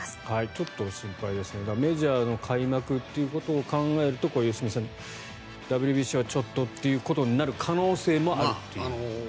ちょっと心配ですがメジャーの開幕ということを考えると良純さん、ＷＢＣはちょっとということになる可能性もあるという。